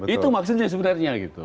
itu maksudnya sebenarnya gitu